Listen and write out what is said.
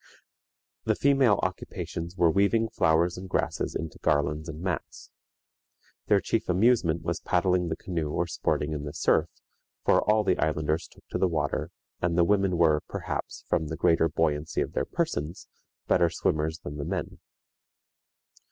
The female occupations were weaving flowers and grasses into garlands and mats. Their chief amusement was paddling the canoe or sporting in the surf, for all the islanders took to the water, and the women were, perhaps, from the greater buoyancy of their persons, better swimmers than the men.